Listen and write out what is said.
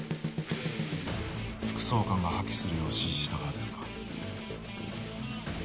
副総監が破棄するよう指示したからですか？